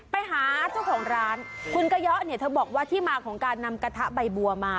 ไปหาเจ้าของร้านคุณกะเยาะเนี่ยเธอบอกว่าที่มาของการนำกระทะใบบัวมา